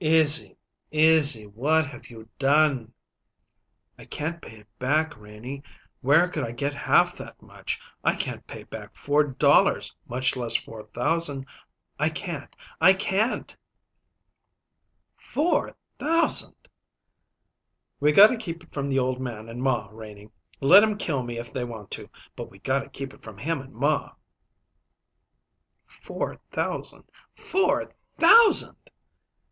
"Izzy, Izzy! What have you done?" "I can't pay it back, Renie. Where could I get half that much? I can't pay back four dollars, much less four thousand. I can't! I can't!" "Four thousand!" "We gotta keep it from the old man and ma, Renie. Let 'em kill me if they want to; but we gotta keep it from him and ma." "Four thousand! Four thousand!"